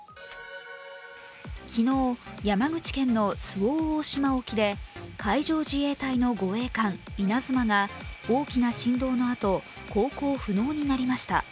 昨日山口県の周防大島沖で海上自衛隊の護衛艦「いなづま」が大きな振動のあと航行不能になりました。